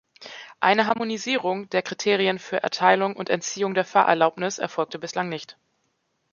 Eine Harmonisierung der Kriterien für Erteilung und Entziehung der Fahrerlaubnis erfolgte bislang nicht.